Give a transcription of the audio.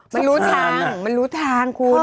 มันรู้ทางมันรู้ทางคุณ